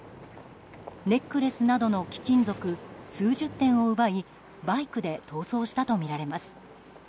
ネックレスなどの貴金属数十点を奪いバイクで逃走したとみられます。